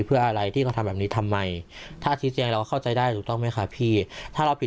อยากเรียกค่าเสียหายอะไรอย่างนี้